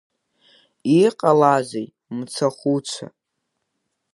Иҟалазеи, мцахәыцәа?!